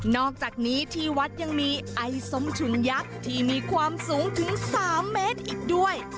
อกจากนี้ที่วัดยังมีไอ้ส้มฉุนยักษ์ที่มีความสูงถึง๓เมตรอีกด้วย